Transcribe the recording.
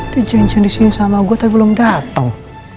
dia janjan disini sama gue tapi belum dateng